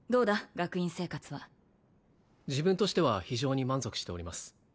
学院生活は自分としては非常に満足しております